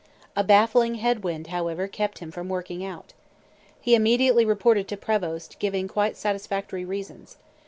A baffling head wind, however, kept him from working out. He immediately reported to Prevost, giving quite satisfactory reasons.